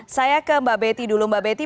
saya ke mbak betty dulu mbak betty